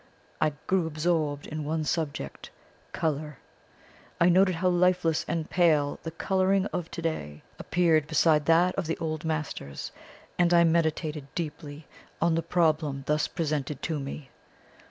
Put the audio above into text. I grew absorbed in one subject Colour. I noted how lifeless and pale the colouring of to day appeared beside that of the old masters, and I meditated deeply on the problem thus presented to me.